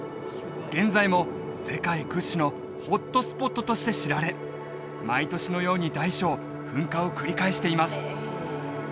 現在も世界屈指のホットスポットとして知られ毎年のように大小噴火を繰り返しています